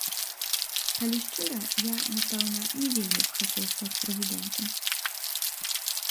Калі шчыра, я, напэўна, не вельмі б хацеў стаць прэзідэнтам.